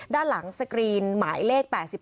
ด้านหลังสกรีนหมายเลข๘๒